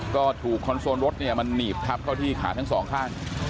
ก็ถูกคอนโซลรถเนี่ยมันหนีบทับเข้าที่ขาทั้งสองข้าง